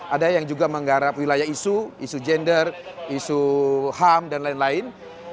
ada yang juga menggarap wilayah isu isu gender isu ham dan lain lain